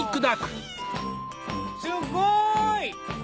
すっごい！